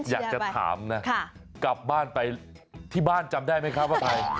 อยากจะถามนะกลับบ้านไปที่บ้านจำได้ไหมครับว่าใคร